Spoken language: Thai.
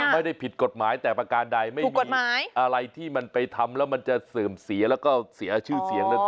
ไม่ได้ผิดกฎหมายแต่ประการใดไม่มีอะไรที่มันไปทำแล้วมันจะเสื่อมเสียแล้วก็เสียชื่อเสียงเลย